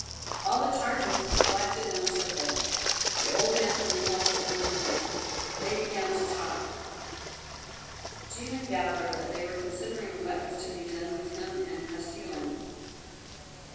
All the Tartars collected in a circle, the old man from the hills among them. They began to talk; Jilin gathered that they were considering what was to be done with him and Kostilin.